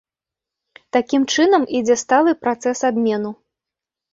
Такім чынам, ідзе сталы працэс абмену.